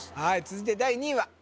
続いて第２位は？